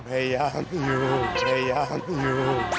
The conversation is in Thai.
พยายามอยู่พยายามอยู่